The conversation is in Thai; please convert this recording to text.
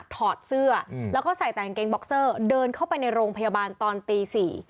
ถอดเสื้อแล้วก็ใส่แต่กางเกงบ็อกเซอร์เดินเข้าไปในโรงพยาบาลตอนตี๔